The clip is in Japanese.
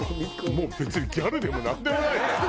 もう別にギャルでもなんでもないよね。